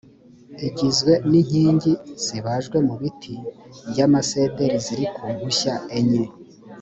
igizwe n’inkingi zibajwe mu biti by’amasederi ziri ku mpushya enye